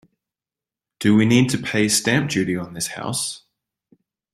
Do we need to pay stamp duty on this house?